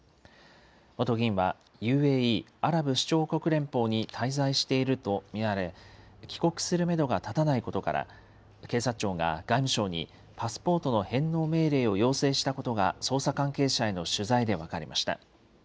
元議員は、ＵＡＥ・アラブ首長国連邦に滞在していると見られ、帰国するメドが立たないことから、警察庁が外務省にパスポートの返納命令を要請したことが捜査関係者への取材で分かりました。